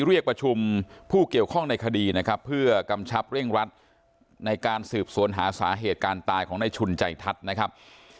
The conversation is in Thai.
เรียกประชุมผู้เกี่ยวข้องในคดีนะครับเพื่อกำชับเร่งรัดในการสืบสวนหาสาเหตุการตายของในชุนใจทัศน์นะครับ